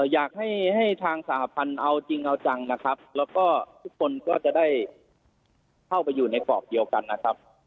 อยากให้ทางสหพันธ์เอาจริงเอาจังนะครับแล้วก็ทุกคนก็จะได้เข้าไปอยู่ในกรอบเดียวกันนะครับ